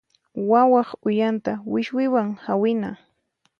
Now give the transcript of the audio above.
Wawaq uyanta wiswiwan hawina.